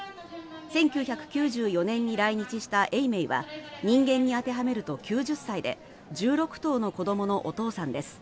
１９９４年に来日した永明は人間に当てはめると９０歳で１６頭の子どものお父さんです。